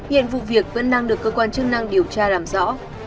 hiện vụ việc vẫn đang được cơ quan chức năng điều tra làm rõ